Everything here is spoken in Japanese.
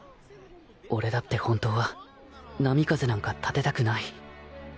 俺だって本当は波風なんか立てたくない